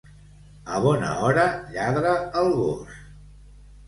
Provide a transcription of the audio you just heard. A bona hora lladra el gos.